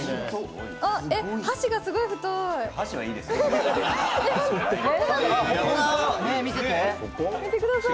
えっ、箸がすごい太い。